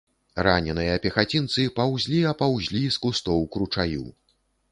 Раненыя пехацінцы паўзлі а паўзлі з кустоў к ручаю.